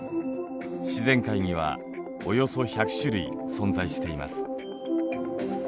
自然界にはおよそ１００種類存在しています。